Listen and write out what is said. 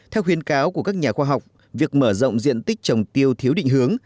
theo khuyến cáo của các nhà khoa học việc mở rộng diện tích trồng tiêu thiếu định hướng